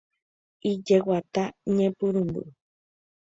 Ijeguata ñepyrũmby.